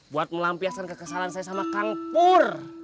buat melampiaskan kekesalan saya sama kang pur